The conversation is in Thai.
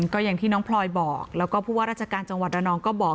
ก็อย่างที่น้องพลอยบอกแล้วก็ผู้ว่าราชการจังหวัดระนองก็บอก